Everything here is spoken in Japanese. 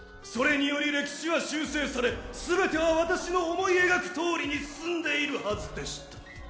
それにより歴史は修正されすべては私の思い描くとおりに進んでいるはずでした。